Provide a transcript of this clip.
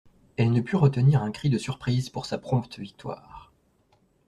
Elle ne put retenir un cri de surprise pour sa prompte victoire.